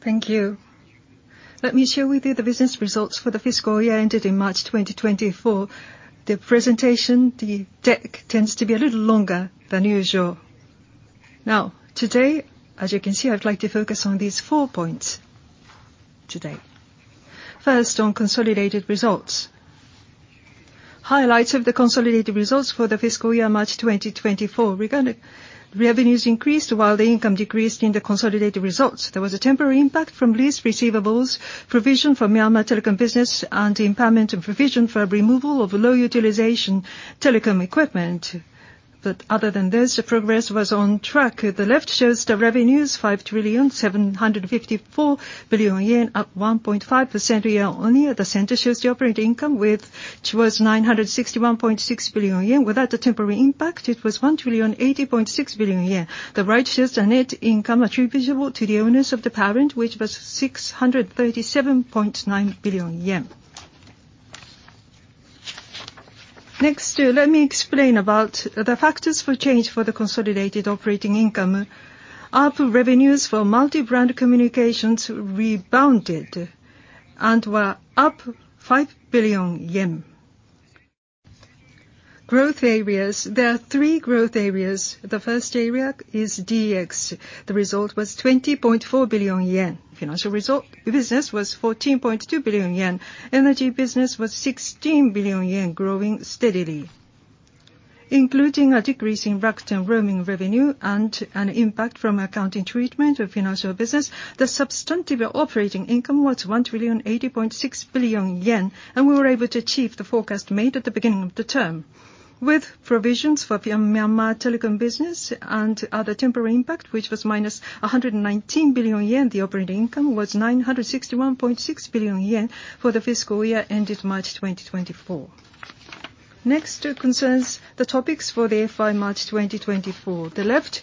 Thank you. Let me share with you the business results for the fiscal year ended in March 2024. The presentation, the deck tends to be a little longer than usual. Today, as you can see, I'd like to focus on these four points today. First, on consolidated results. Highlights of the consolidated results for the fiscal year March 2024. Revenues increased, while the income decreased in the consolidated results. There was a temporary impact from lease receivables, provision for Myanmar telecom business, and impairment and provision for removal of low utilization telecom equipment. Other than this, the progress was on track. The left shows the revenues, 5 trillion 754 billion, up 1.5% year-on-year. The center shows the operating income, which was 961.6 billion yen. Without the temporary impact, it was 1 trillion 80.6 billion. The right shows the net income attributable to the owners of the parent, which was 637.9 billion yen. Next, let me explain about the factors for change for the consolidated operating income. ARPU revenues for multi-brand communications rebounded and were up 5 billion yen. Growth areas. There are three growth areas. The first area is DX. The result was 20.4 billion yen. Financial result business was 14.2 billion yen. Energy business was 16 billion yen, growing steadily. Including a decrease in roaming revenue and an impact from accounting treatment of financial business, the substantive operating income was 1 trillion yen 80.6 billion, and we were able to achieve the forecast made at the beginning of the term. With provisions for Myanmar telecom business and other temporary impact, which was minus 119 billion yen, the operating income was 961.6 billion yen for the fiscal year ended March 2024. Next concerns the topics for the FY 2024. The left,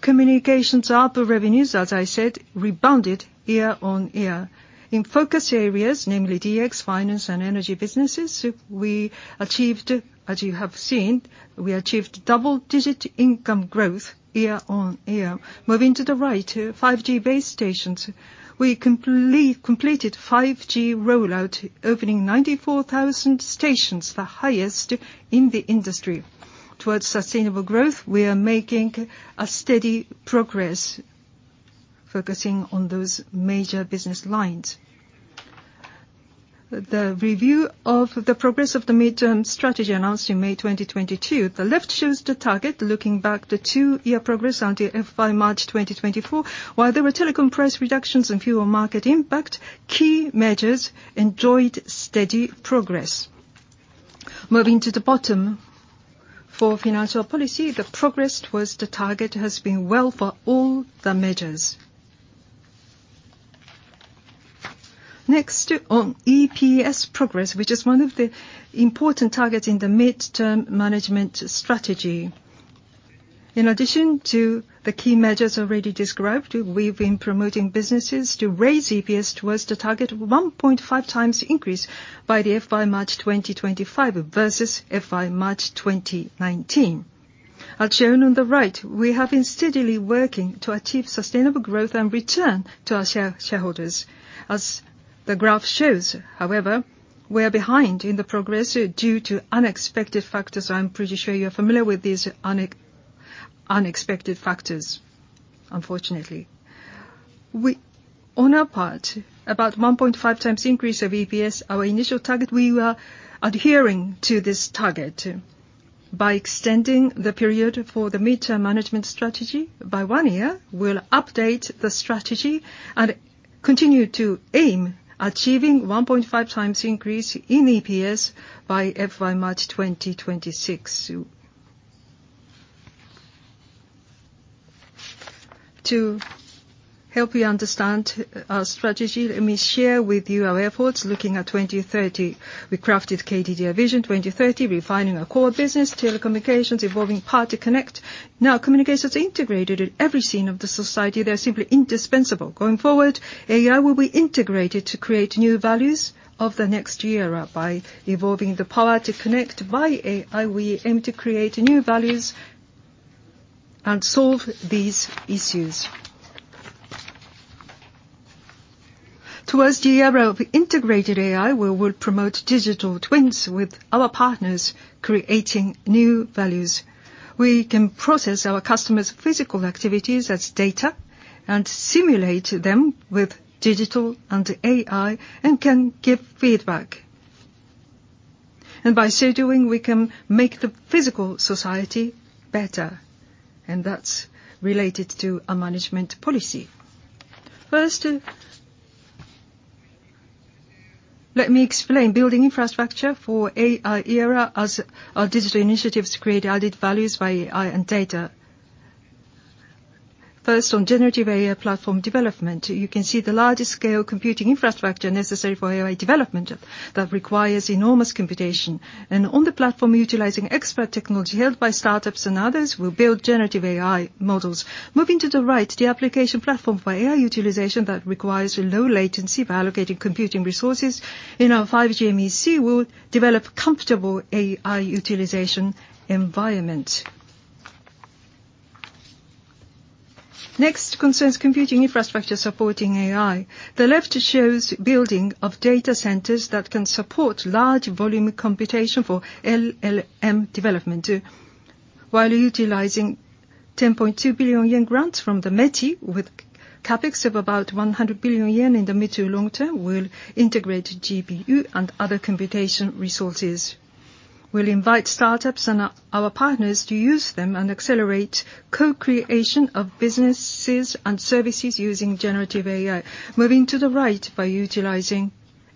communications ARPU revenues, as I said, rebounded year-on-year. In focus areas, namely DX, finance, and energy businesses, as you have seen, we achieved double-digit income growth year-on-year. Moving to the right, 5G base stations. We completed 5G rollout, opening 94,000 stations, the highest in the industry. Towards sustainable growth, we are making a steady progress, focusing on those major business lines. The review of the progress of the mid-term strategy announced in May 2022. The left shows the target, looking back the two-year progress until FY 2024. While there were telecom price reductions and fuel market impact, key measures enjoyed steady progress. Moving to the bottom. For financial policy, the progress towards the target has been well for all the measures. On EPS progress, which is one of the important targets in the mid-term management strategy. In addition to the key measures already described, we've been promoting businesses to raise EPS towards the target of 1.5 times increase by the FY 2025 versus FY 2019. As shown on the right, we have been steadily working to achieve sustainable growth and return to our shareholders. As the graph shows, however, we are behind in the progress due to unexpected factors. I'm pretty sure you're familiar with these unexpected factors, unfortunately. On our part, about 1.5 times increase of EPS, our initial target, we were adhering to this target. By extending the period for the mid-term management strategy by one year, we'll update the strategy and continue to aim achieving 1.5 times increase in EPS by FY 2026. To help you understand our strategy, let me share with you our efforts looking at 2030. We crafted KDDI VISION 2030, refining our core business, telecommunications, evolving power to connect. Communications are integrated in every scene of the society. They are simply indispensable. Going forward, AI will be integrated to create new values of the next era. By evolving the power to connect by AI, we aim to create new values and solve these issues. Towards the era of integrated AI, we will promote digital twins with our partners, creating new values. We can process our customers' physical activities as data and simulate them with digital and AI, and can give feedback. By so doing, we can make the physical society better, and that's related to our management policy. First, let me explain building infrastructure for AI era as our digital initiatives create added values by AI and data. First, on generative AI platform development. You can see the largest scale computing infrastructure necessary for AI development. That requires enormous computation. On the platform, utilizing expert technology held by startups and others, we'll build generative AI models. Moving to the right, the application platform for AI utilization that requires low latency for allocating computing resources in our 5G MEC will develop comfortable AI utilization environment. Next concerns computing infrastructure supporting AI. The left shows building of data centers that can support large volume computation for LLM development, while utilizing 10.2 billion yen grants from the METI with CapEx of about 100 billion yen in the mid to long term, we'll integrate GPU and other computation resources. We'll invite startups and our partners to use them and accelerate co-creation of businesses and services using generative AI. Moving to the right, by utilizing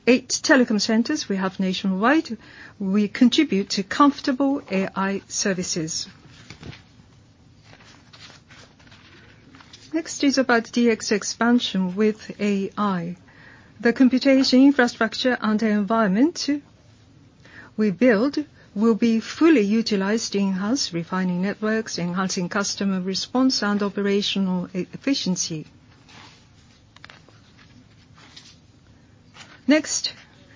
eight telecom centers we have nationwide, we contribute to comfortable AI services. Next is about DX expansion with AI. The computation infrastructure and environment we build will be fully utilized in house, refining networks, enhancing customer response, and operational efficiency. Next,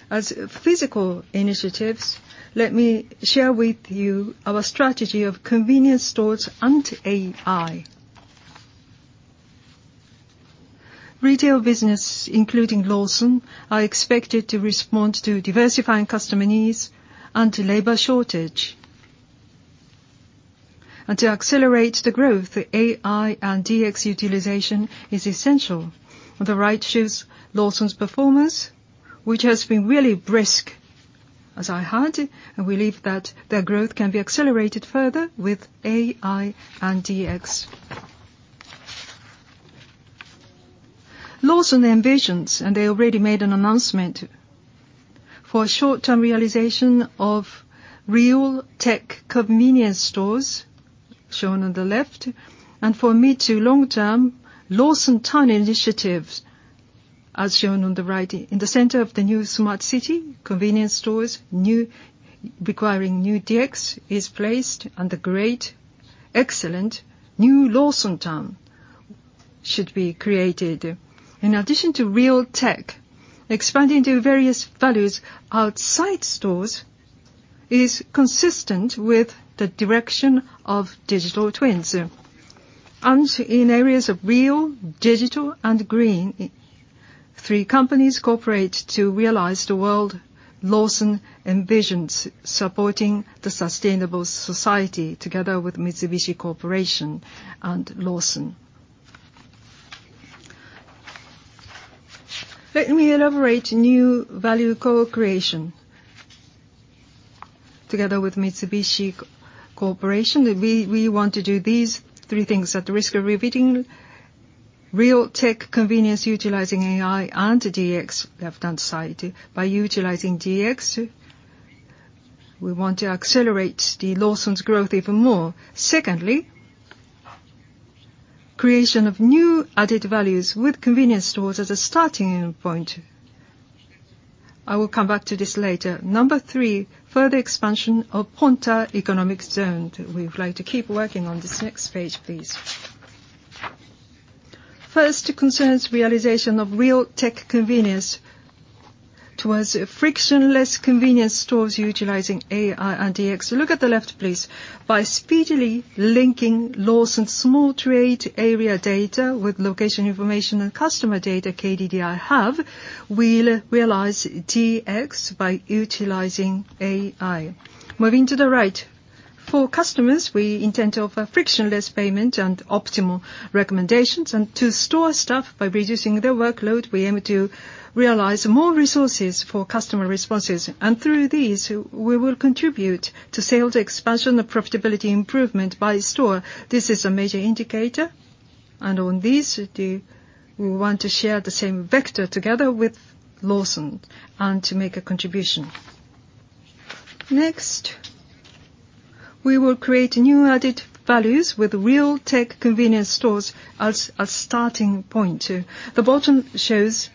as physical initiatives, let me share with you our strategy of convenience stores and AI. Retail business, including Lawson, are expected to respond to diversifying customer needs and to labor shortage. To accelerate the growth, AI and DX utilization is essential. The right shows Lawson's performance, which has been really brisk, as I heard, we believe that their growth can be accelerated further with AI and DX. Lawson envisions, and they already made an announcement, for short-term realization of Real x Tech Convenience stores, shown on the left, and for mid to long term, Lawson Town initiatives, as shown on the right. In the center of the new smart city, convenience stores requiring new DX is placed, and a great, excellent new Lawson Town should be created. In addition to Real x Tech, expanding to various values outside stores is consistent with the direction of digital twins. In areas of real, digital, and green, three companies cooperate to realize the world Lawson envisions, supporting the sustainable society together with Mitsubishi Corporation and Lawson. Let me elaborate new value co-creation. Together with Mitsubishi Corporation, we want to do these three things. At the risk of repeating, Real x Tech Convenience utilizing AI and DX, left-hand side. By utilizing DX, we want to accelerate Lawson's growth even more. Secondly, creation of new added values with convenience stores as a starting point. I will come back to this later. Number 3, further expansion of Ponta economic zone. We would like to keep working on this. Next page, please. First concerns realization of Real x Tech Convenience towards frictionless convenience stores utilizing AI and DX. Look at the left, please. By speedily linking Lawson's small trade area data with location information and customer data KDDI have, we'll realize DX by utilizing AI. Moving to the right. For customers, we intend to offer frictionless payment and optimal recommendations. To store staff by reducing their workload, we aim to realize more resources for customer responses. Through these, we will contribute to sales expansion and profitability improvement by store. This is a major indicator, and on this, we want to share the same vector together with Lawson, and to make a contribution. We will create new added values with Real x Tech Convenience stores as a starting point. The bottom shows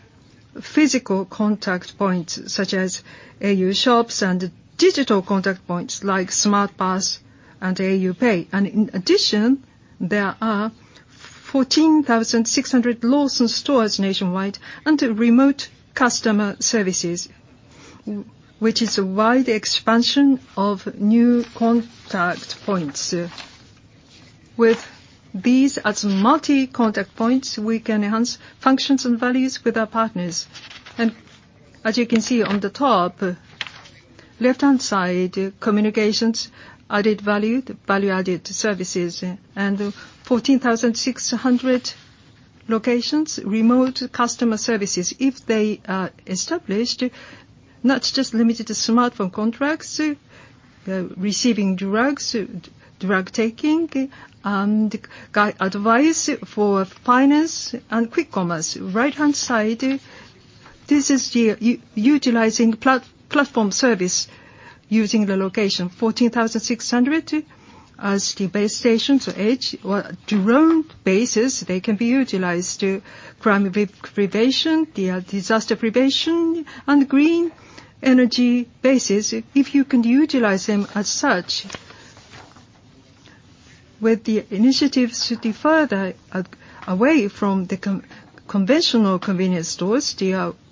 physical contact points, such as au shops, and digital contact points like au Smart Pass and au PAY. In addition, there are 14,600 Lawson stores nationwide and remote customer services, which is a wide expansion of new contact points. With these as multi contact points, we can enhance functions and values with our partners. As you can see on the top left-hand side, communications, added value-added services, and 14,600 locations, remote customer services. If they are established, not just limited to smartphone contracts, receiving drugs, drug taking, and advice for finance and quick commerce. This is utilizing platform service using the location, 14,600 as the base station. Each drone bases, they can be utilized. Crime prevention, disaster prevention, and green energy bases, if you can utilize them as such. With the initiatives to be further away from the conventional convenience stores,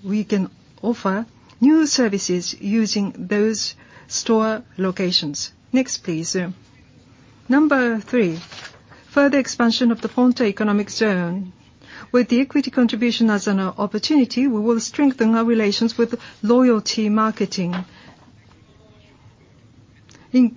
we can offer new services using those store locations. Number 3, further expansion of the Ponta economic zone. With the equity contribution as an opportunity, we will strengthen our relations with Loyalty Marketing, Inc. In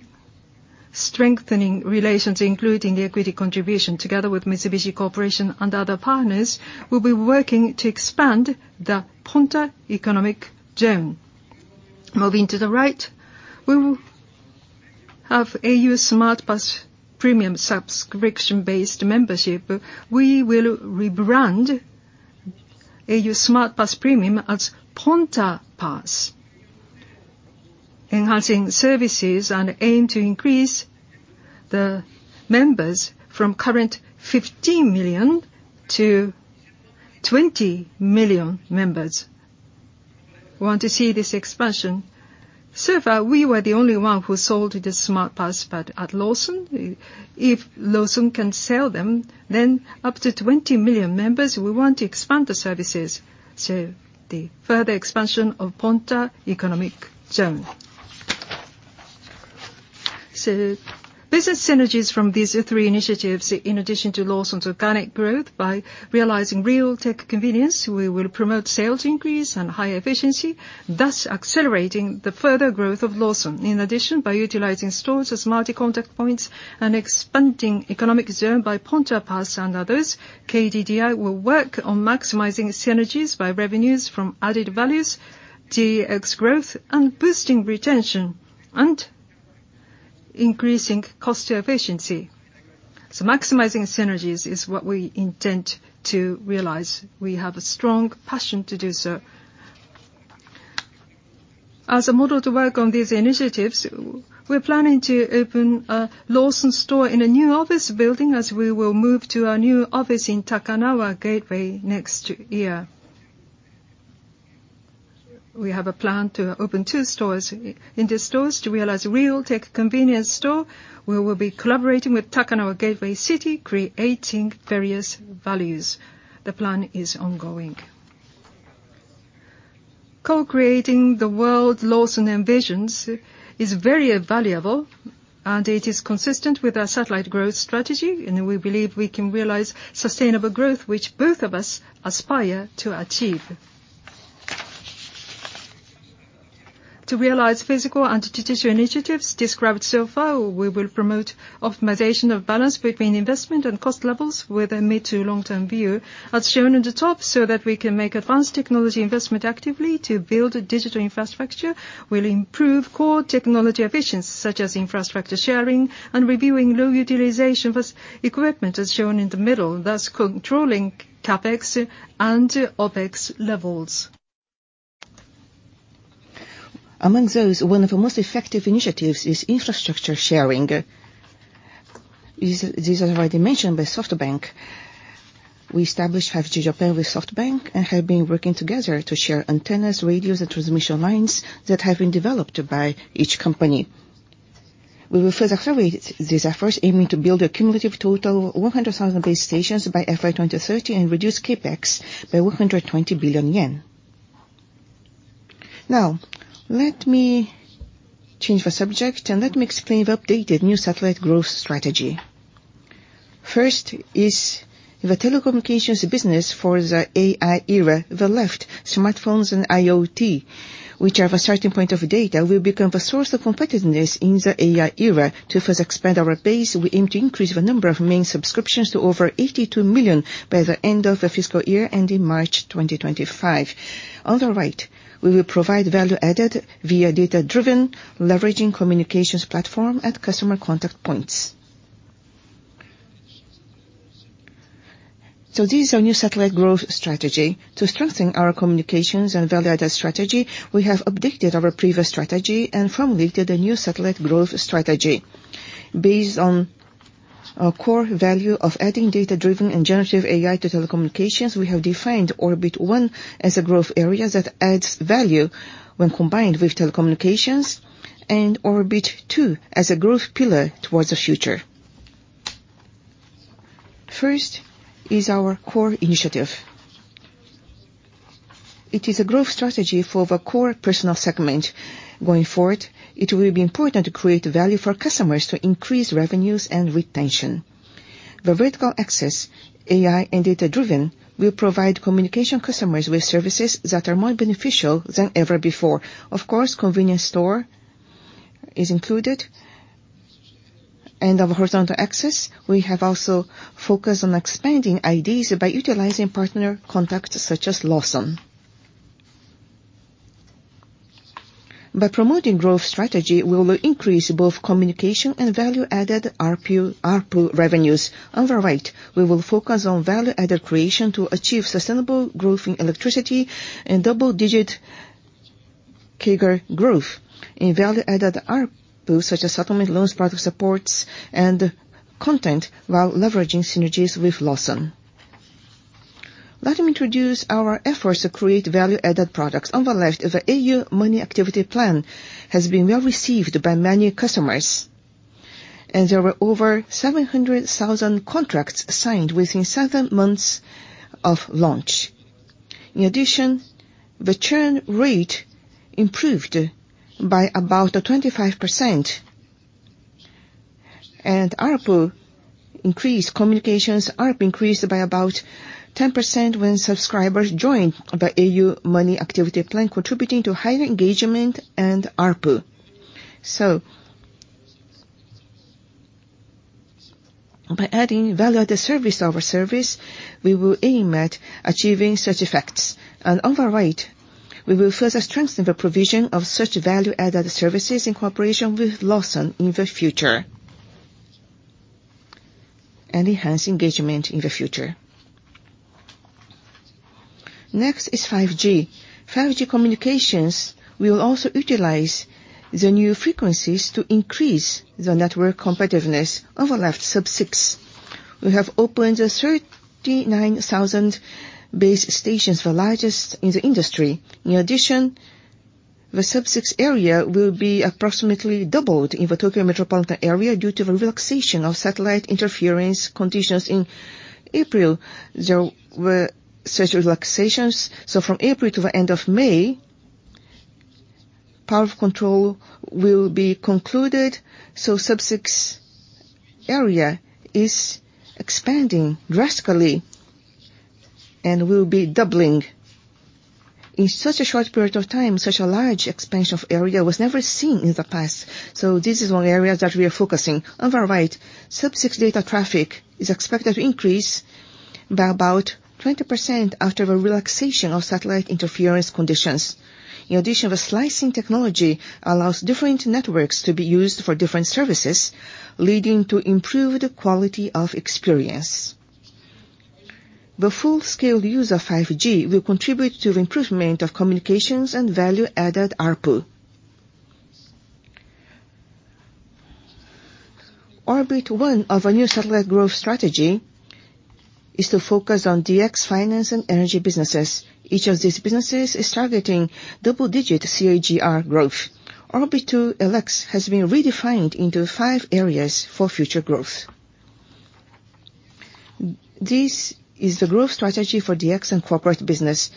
strengthening relations, including the equity contribution, together with Mitsubishi Corporation and other partners, we'll be working to expand the Ponta economic zone. Moving to the right, we will have au Smart Pass Premium subscription-based membership. We will rebrand au Smart Pass Premium as Ponta Pass, enhancing services and aim to increase the members from current 15 million to 20 million members. We want to see this expansion. Far, we were the only one who sold the au Smart Pass. At Lawson, if Lawson can sell them, then up to 20 million members, we want to expand the services, so the further expansion of Ponta economic zone. Business synergies from these three initiatives, in addition to Lawson's organic growth, by realizing Real x Tech Convenience, we will promote sales increase and high efficiency, thus accelerating the further growth of Lawson. In addition, by utilizing stores as multi-contact points and expanding economic zone by Ponta Pass and others, KDDI will work on maximizing synergies by revenues from added values, DX growth, and boosting retention and increasing cost efficiency. Maximizing synergies is what we intend to realize. We have a strong passion to do so. As a model to work on these initiatives, we're planning to open a Lawson store in a new office building, as we will move to our new office in Takanawa Gateway next year. We have a plan to open two stores. In the stores to realize Real x Tech Convenience, we will be collaborating with Takanawa Gateway City, creating various values. The plan is ongoing. Co-creating the world Lawson envisions is very valuable, and we believe we can realize sustainable growth, which both of us aspire to achieve. To realize physical and digital initiatives described so far, we will promote optimization of balance between investment and cost levels with a mid to long-term view, as shown at the top, so that we can make advanced technology investment actively to build a digital infrastructure. We'll improve core technology efficiency, such as infrastructure sharing and reviewing low utilization of equipment, as shown in the middle, thus controlling CapEx and OpEx levels. Among those, one of the most effective initiatives is infrastructure sharing. These are already mentioned by SoftBank. We established 5G JAPAN Corporation with SoftBank and have been working together to share antennas, radios, and transmission lines that have been developed by each company. We will further accelerate these efforts, aiming to build a cumulative total 100,000 base stations by FY 2030 and reduce CapEx by 120 billion yen. Let me change the subject, let me explain the updated new satellite growth strategy. First is the telecommunications business for the AI era. The left, smartphones and IoT, which are the starting point of data, will become the source of competitiveness in the AI era. To first expand our base, we aim to increase the number of main subscriptions to over 82 million by the end of the fiscal year, ending March 2025. On the right, we will provide value added via data-driven leveraging communications platform at customer contact points. This is our new satellite growth strategy. To strengthen our communications and value-added strategy, we have updated our previous strategy and formulated a new satellite growth strategy. Based on our core value of adding data-driven and generative AI to telecommunications, we have defined orbit one as a growth area that adds value when combined with telecommunications, and orbit two as a growth pillar towards the future. Is our core initiative. It is a growth strategy for the core personal segment. Going forward, it will be important to create value for customers to increase revenues and retention. The vertical axis, AI and data-driven, will provide communication customers with services that are more beneficial than ever before. Of course, convenience store is included. The horizontal axis, we have also focused on expanding IDs by utilizing partner contacts such as Lawson. By promoting growth strategy, we will increase both communication and value-added ARPU revenues. On the right, we will focus on value-added creation to achieve sustainable growth in electricity and double-digit CAGR growth in value-added ARPU, such as settlement loans, product supports, and content, while leveraging synergies with Lawson. Let me introduce our efforts to create value-added products. On the left, the au Money Activity Plan has been well received by many customers, and there were over 700,000 contracts signed within seven months of launch. In addition, the churn rate improved by about 25%, and ARPU increased. Communications ARPU increased by about 10% when subscribers join the au Money Activity Plan, contributing to higher engagement and ARPU. By adding value-added service over service, we will aim at achieving such effects. On the right, we will further strengthen the provision of such value-added services in cooperation with Lawson in the future, and enhance engagement in the future. Next is 5G. 5G communications, we will also utilize the new frequencies to increase the network competitiveness. On the left, Sub-6. We have opened 39,000 base stations, the largest in the industry. In addition, the Sub-6 area will be approximately doubled in the Tokyo metropolitan area due to the relaxation of satellite interference conditions in April. There were such relaxations. From April to the end of May, power control will be concluded. Sub-6 area is expanding drastically and will be doubling. In such a short period of time, such a large expansion of area was never seen in the past. This is one area that we are focusing. On the right, Sub-6 data traffic is expected to increase by about 20% after the relaxation of satellite interference conditions. In addition, the slicing technology allows different networks to be used for different services, leading to improved quality of experience. The full-scale use of 5G will contribute to the improvement of communications and value-added ARPU. Orbit 1 of our new satellite growth strategy is to focus on DX, finance, and energy businesses. Each of these businesses is targeting double-digit CAGR growth. Orbit 2 LX has been redefined into five areas for future growth. This is the growth strategy for DX and corporate business.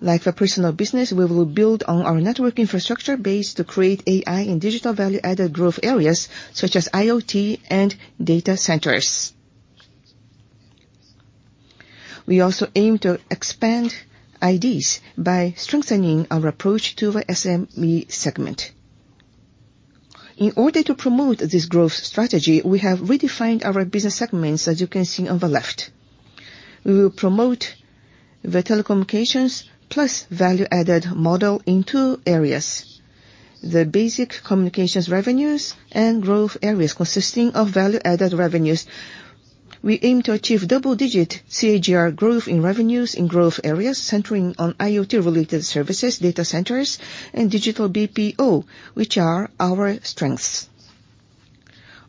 Like the personal business, we will build on our network infrastructure base to create AI and digital value-added growth areas, such as IoT and data centers. We also aim to expand IDs by strengthening our approach to the SME segment. In order to promote this growth strategy, we have redefined our business segments, as you can see on the left. We will promote the telecommunications plus value-added model in two areas, the basic communications revenues and growth areas consisting of value-added revenues. We aim to achieve double-digit CAGR growth in revenues in growth areas centering on IoT-related services, data centers, and Digital BPO, which are our strengths.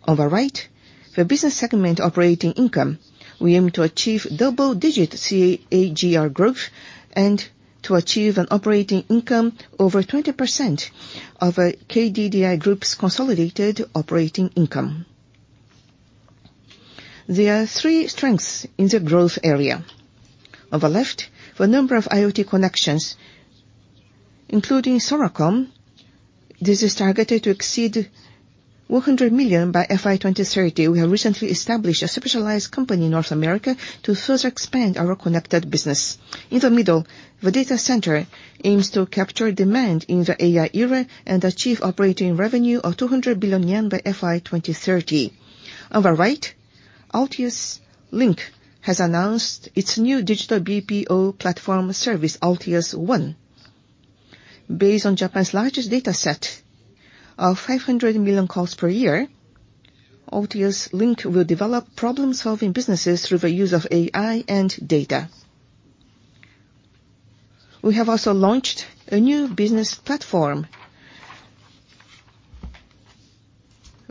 On the right, the business segment operating income, we aim to achieve double-digit CAGR growth and to achieve an operating income over 20% of our KDDI Group's consolidated operating income. There are three strengths in the growth area. On the left, for the number of IoT connections, including Soracom, this is targeted to exceed 100 million by FY 2030. We have recently established a specialized company in North America to further expand our connected business. In the middle, the data center aims to capture demand in the AI era and achieve operating revenue of 200 billion yen by FY 2030. On the right, Altius Link has announced its new Digital BPO platform service, Altius ONE. Based on Japan's largest data set of 500 million calls per year, Altius Link will develop problem-solving businesses through the use of AI and data. We have also launched a new business platform,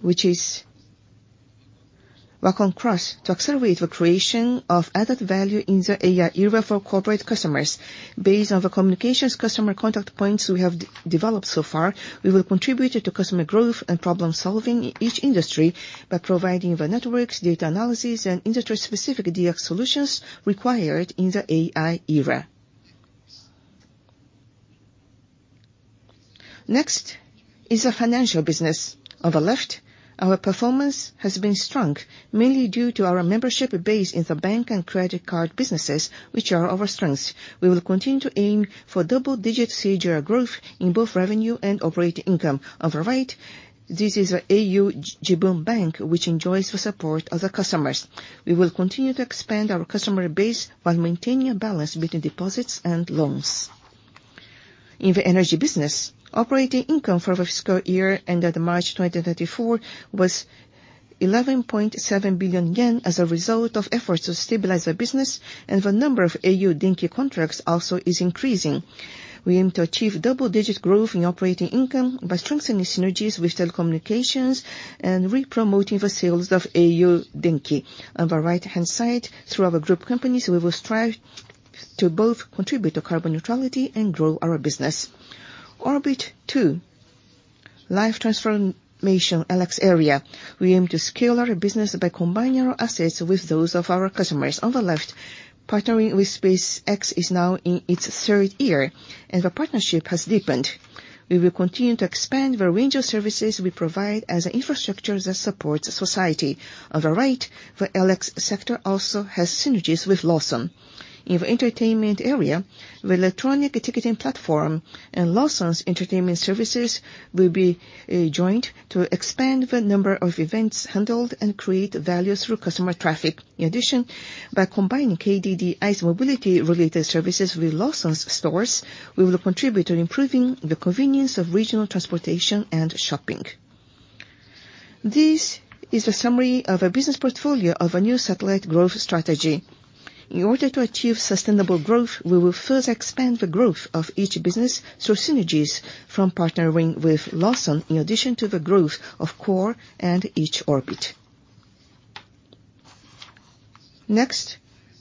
which is Rakon Cross, to accelerate the creation of added value in the AI era for corporate customers. Based on the communications customer contact points we have developed so far, we will contribute to customer growth and problem-solving in each industry by providing the networks, data analysis, and industry-specific DX solutions required in the AI era. Next is the financial business. On the left, our performance has been strong, mainly due to our membership base in the bank and credit card businesses, which are our strengths. We will continue to aim for double-digit CAGR growth in both revenue and operating income. On the right, this is the au Jibun Bank, which enjoys the support of the customers. We will continue to expand our customer base while maintaining a balance between deposits and loans. In the energy business, operating income for the fiscal year ended March 2024 was 11.7 billion yen as a result of efforts to stabilize the business, and the number of au Denki contracts also is increasing. We aim to achieve double-digit growth in operating income by strengthening synergies with telecommunications and re-promoting the sales of au Denki. On the right-hand side, through our group companies, we will strive to both contribute to carbon neutrality and grow our business. Orbit 2 Life transformation, LX area. We aim to scale our business by combining our assets with those of our customers. On the left, partnering with SpaceX is now in its third year, and the partnership has deepened. We will continue to expand the range of services we provide as an infrastructure that supports society. On the right, the LX sector also has synergies with Lawson. In the entertainment area, the electronic ticketing platform and Lawson's entertainment services will be joined to expand the number of events handled and create value through customer traffic. In addition, by combining KDDI's mobility-related services with Lawson's stores, we will contribute to improving the convenience of regional transportation and shopping. This is a summary of our business portfolio of our new satellite growth strategy. In order to achieve sustainable growth, we will first expand the growth of each business through synergies from partnering with Lawson in addition to the growth of core and each orbit. Next,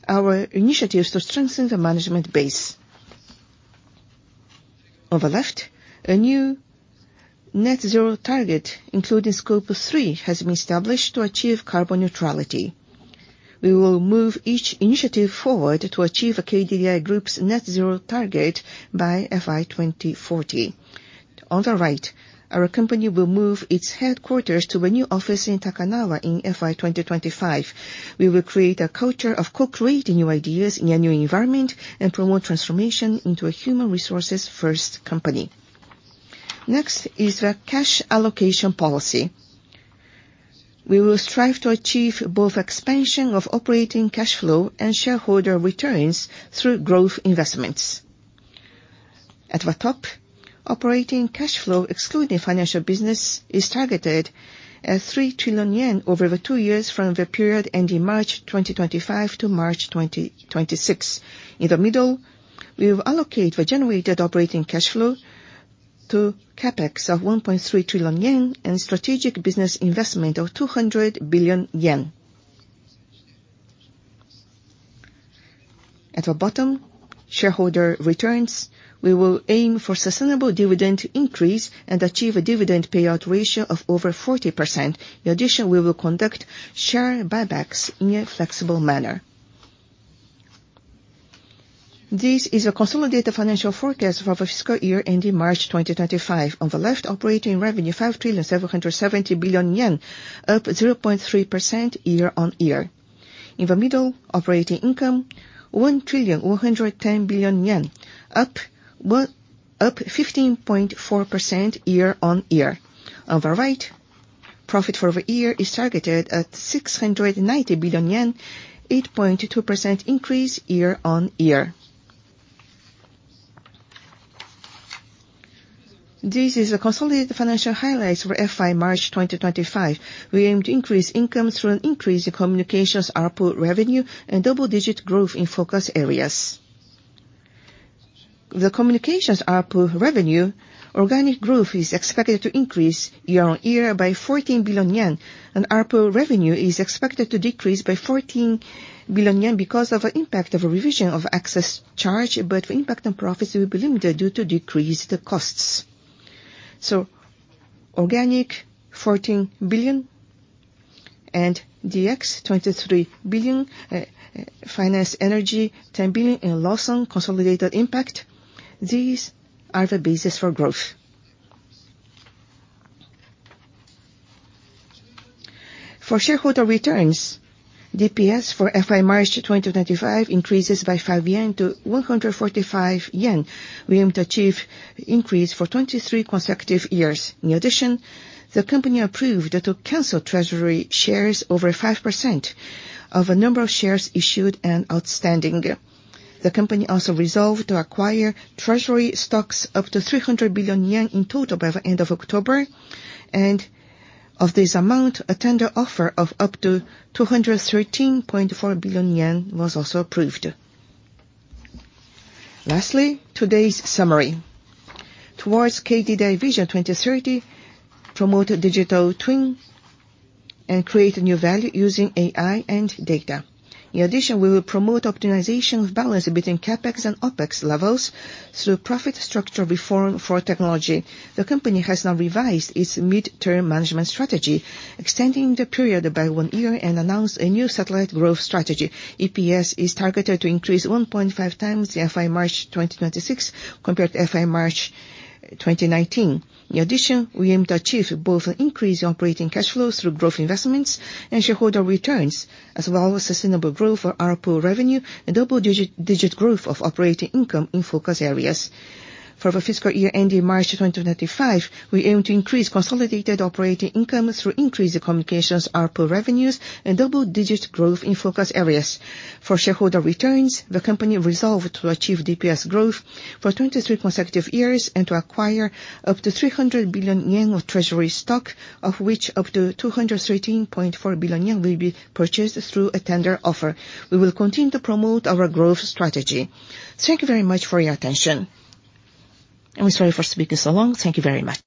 our initiatives to strengthen the management base. On the left, a new net zero target, including Scope 3, has been established to achieve carbon neutrality. We will move each initiative forward to achieve the KDDI Group's net zero target by FY 2040. On the right, our company will move its headquarters to a new office in Takanawa in FY 2025. We will create a culture of co-creating new ideas in a new environment and promote transformation into a human resources first company. Next is the cash allocation policy. We will strive to achieve both expansion of operating cash flow and shareholder returns through growth investments. At the top, operating cash flow, excluding financial business, is targeted at 3 trillion yen over the two years from the period ending March 2025 to March 2026. In the middle, we will allocate the generated operating cash flow to CapEx of 1.3 trillion yen and strategic business investment of 200 billion yen. At the bottom, shareholder returns, we will aim for sustainable dividend increase and achieve a dividend payout ratio of over 40%. In addition, we will conduct share buybacks in a flexible manner. This is a consolidated financial forecast for the fiscal year ending March 2025. On the left, operating revenue 5,770 billion yen, up 0.3% year-on-year. In the middle, operating income, 1,110 billion yen, up 15.4% year-on-year. On the right, profit for the year is targeted at 690 billion yen, 8.2% increase year-on-year. This is the consolidated financial highlights for FY 2025. We aim to increase income through an increase in communications ARPU revenue and double-digit growth in focus areas. The communications ARPU revenue, organic growth is expected to increase year-on-year by 14 billion yen, and ARPU revenue is expected to decrease by 14 billion yen because of an impact of a revision of access charge, but the impact on profits will be limited due to decreased costs. Organic 14 billion and DX 23 billion, finance energy 10 billion, and Lawson consolidated impact. These are the basis for growth. For shareholder returns, DPS for FY 2025 increases by 5 yen to 145 yen. We aim to achieve increase for 23 consecutive years. In addition, the company approved to cancel treasury shares over 5% of a number of shares issued and outstanding. The company also resolved to acquire treasury stocks up to 300 billion yen in total by the end of October, and of this amount, a tender offer of up to 213.4 billion yen was also approved. Lastly, today's summary. Towards KDDI VISION 2030, promote digital twin and create new value using AI and data. In addition, we will promote optimization of balance between CapEx and OpEx levels through profit structure reform for technology. The company has now revised its mid-term management strategy, extending the period by one year and announce a new satellite growth strategy. EPS is targeted to increase 1.5 times in FY 2026 compared to FY 2019. In addition, we aim to achieve both an increase in operating cash flows through growth investments and shareholder returns, as well as sustainable growth for ARPU revenue and double-digit growth of operating income in focus areas. For the fiscal year ending March 2025, we aim to increase consolidated operating income through increased communications ARPU revenues and double-digit growth in focus areas. For shareholder returns, the company resolved to achieve DPS growth for 23 consecutive years and to acquire up to 300 billion yen of treasury stock, of which up to 213.4 billion yen will be purchased through a tender offer. We will continue to promote our growth strategy. Thank you very much for your attention. I'm sorry for speaking so long. Thank you very much.